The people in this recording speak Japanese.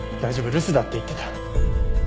留守だって言ってた。